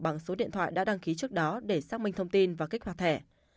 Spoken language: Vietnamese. bằng số điện thoại đã đăng ký trước đó để xác minh thông tin và kích hoạt thẻ